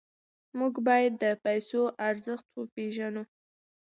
موږ باید د پیسو ارزښت وپېژنو.